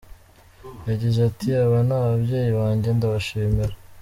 Yagize ati “Aba ni ababyeyi banjye ndabashimira.